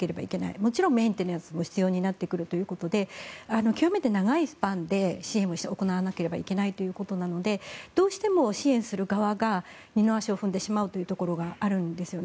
もちろんメンテナンスも必要になってくるということで極めて長いスパンで支援を行わなければいけないということなのでどうしても支援する側が二の足を踏んでしまうというところがあるんですよね。